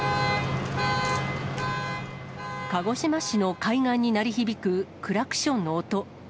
鹿児島市の海岸に鳴り響くクラクションの音。